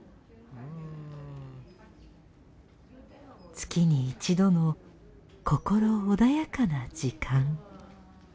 月に一度の心穏やかな時間。